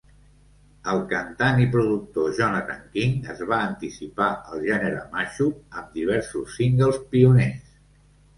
El cantant i productor Jonathan King es va anticipar al gènere mashup amb diversos singles pioners.